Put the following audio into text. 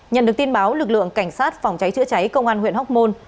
nhận được tin báo lực lượng cảnh sát phòng cháy chữa cháy công an huyện hóc môn